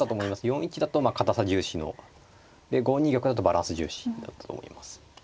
４一だと堅さ重視の５二玉だとバランス重視だったと思います。